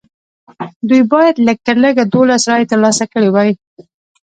دوی باید لږ تر لږه دولس رایې ترلاسه کړې وای.